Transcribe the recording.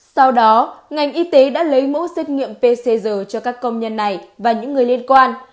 sau đó ngành y tế đã lấy mẫu xét nghiệm pcr cho các công nhân này và những người liên quan